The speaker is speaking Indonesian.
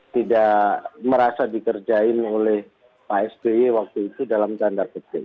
tidak merasa dikerjain oleh pak sby waktu itu dalam tanda petik